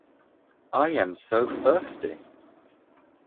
I am so thirsty.